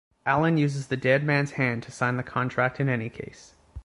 Alan uses the dead mans hand to sign the contract in any case.